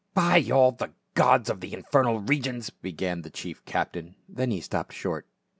26 402 PA UL. " By all the gods of the infernal regions !" began the chief captain, then he stopped short.